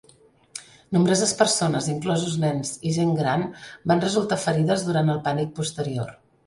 Nombroses persones, inclosos nens i gent gran, van resultar ferides durant el pànic posterior.